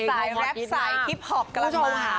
สายแรปสายฮิปพอปกำลังมา